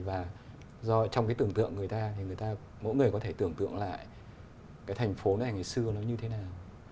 và trong cái tưởng tượng người ta thì mỗi người có thể tưởng tượng lại cái thành phố này ngày xưa nó như thế nào